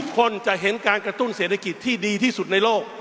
คนจะเห็นการกระตุ้นเศรษฐกิจที่ดีที่สุดในโลก